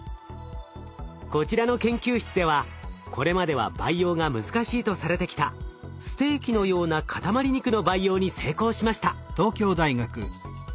こちらの研究室ではこれまでは培養が難しいとされてきたステーキのような塊肉の培養に成功しました。